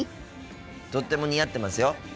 とっても似合ってますよ。